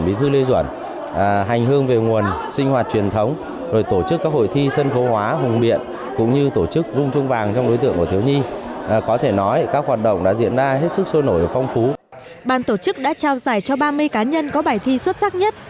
ban tổ chức đã trao giải cho ba mươi cá nhân có bài thi xuất sắc nhất